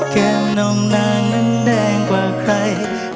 แก้วนมนางนั้นแดงกว่าใคร